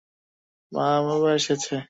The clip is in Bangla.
মা, বাবা এসেছে।